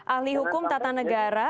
ahli hukum tata negara